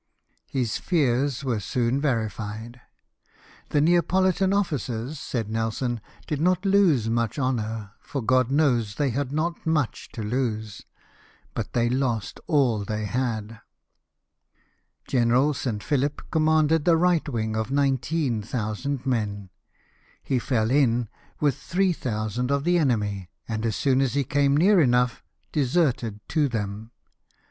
His fears were soon vended. " The Neapolitan officers," said Nelson, " did not lose much honour, for, God knows, they had not much to lose ; but they lost all they had." General St. Philip commanded 172 LIFE OF NELSON. the right wing, of 19,000 men. He fell in with 3,000 of the enemy ; and, as soon as he came near enough deserted to them.